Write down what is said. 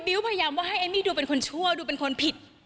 พยายามว่าให้เอมมี่ดูเป็นคนชั่วดูเป็นคนผิด